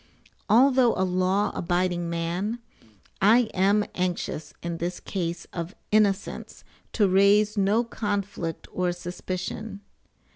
[Although a law abiding man,] I am anxious in this case of innocence to raise no conflict or suspicion.